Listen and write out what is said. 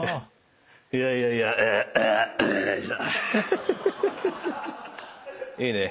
いやいやいやよいしょ。